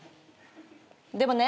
でもね